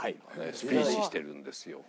スピーチしてるんですよ。